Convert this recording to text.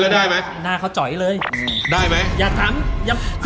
ได้ไหม